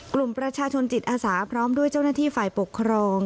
กลุ่มประชาชนจิตอาสาพร้อมด้วยเจ้าหน้าที่ฝ่ายปกครอง